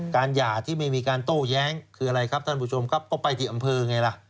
หย่าที่ไม่มีการโต้แย้งคืออะไรครับท่านผู้ชมครับก็ไปที่อำเภอไงล่ะ